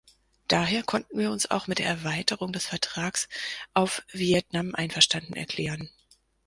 Daher konnten wir uns auch mit der Erweiterung des Vertrags auf Vietnam einverstanden erklären.